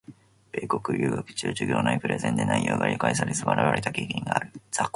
米国留学中、授業内プレゼンで内容が理解されず笑われた経験がある。